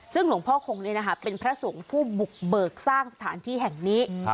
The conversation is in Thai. ซึ่งหลวงพ่อคงเป็นพระสงฆ์ผู้บุกเบิกสร้างสถานที่แห่งนี้